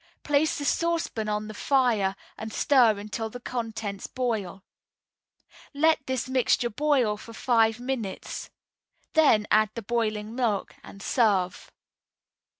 Place the saucepan on the fire and stir until the contents boil. Let this mixture boil for five minutes; then add the boiling milk and serve.